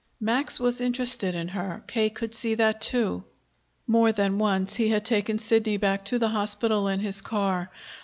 Max was interested in her. K. could see that, too. More than once he had taken Sidney back to the hospital in his car.